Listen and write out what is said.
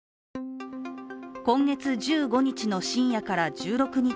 今月１５日の深夜から１６日